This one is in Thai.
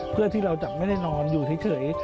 เพื่อที่เราจะไม่ได้นอนอยู่เฉย